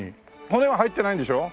骨は入ってないんでしょう？